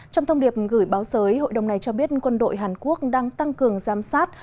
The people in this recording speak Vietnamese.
trong thông điệp gửi báo giới hội đồng này cho biết quân đội hàn quốc đang tăng cường giám sát